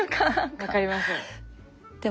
分かります。